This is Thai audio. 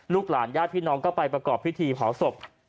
หลานญาติพี่น้องก็ไปประกอบพิธีเผาศพ